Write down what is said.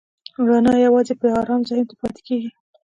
رڼا یواځې په آرام ذهن کې پاتې کېږي.